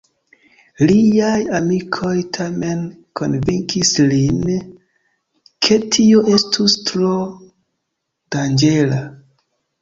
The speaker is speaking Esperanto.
Liaj amikoj tamen konvinkis lin, ke tio estus tro danĝera.